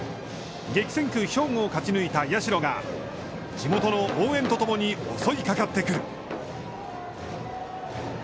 激戦区・兵庫を勝ち抜いた社が地元の応援と共に襲いかかってくる。